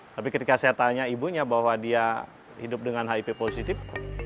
tapi ketika saya tanya ibunya bahwa dia hidup dengan hiv positif